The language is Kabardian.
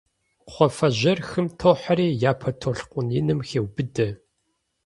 Кхъуафэжьейр хым тохьэри, япэ толъкъун иным хеубыдэ.